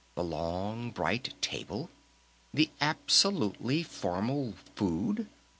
The long, bright table! The absolutely formal food!